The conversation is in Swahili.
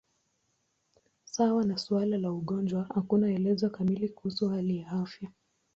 Sawa na suala la ugonjwa, hakuna elezo kamili kuhusu hali ya afya.